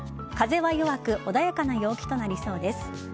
風は弱く穏やかな陽気となりそうです。